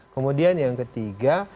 kemudian yang ketiga